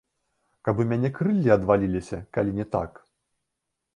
Каб у мяне крыллі адваліліся, калі не так!